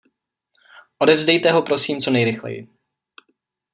Odevzdejte ho prosím co nejrychleji.